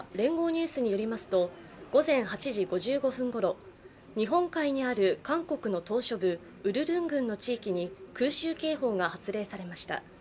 ニュースによりますと午前８時５５分頃、日本海にある韓国の島しょ部ウルルン郡の地域に空襲警報が発令されました。